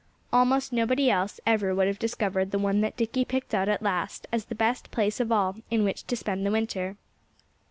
Almost nobody else ever would have discovered the one that Dickie picked out at last as the best place of all in which to spend the winter.